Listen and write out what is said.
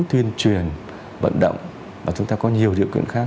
tuyên truyền vận động và chúng ta có nhiều điều kiện khác